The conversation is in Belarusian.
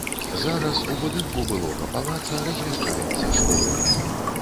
Зараз у будынку былога палаца размяшчацца школа.